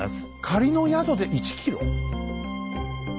仮の宿で１キロ？